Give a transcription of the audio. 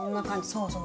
そうそう。